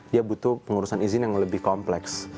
dia butuh pengurusan izin yang lebih kompleks